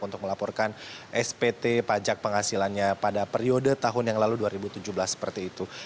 untuk melaporkan spt pajak penghasilannya pada periode tahun yang lalu dua ribu tujuh belas seperti itu